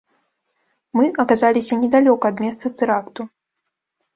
Мы аказаліся недалёка ад месца тэракту.